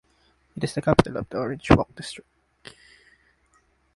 It is the capital of the Orange Walk District.